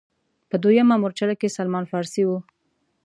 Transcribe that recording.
په دویمه مورچله کې سلمان فارسي و.